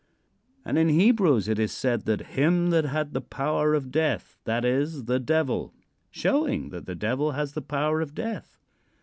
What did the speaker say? And in Hebrews it is said that "him that had the power of death that is, the Devil;" showing that the Devil has the power of death.